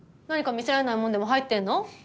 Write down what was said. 何か見せられないもんでも入ってんの？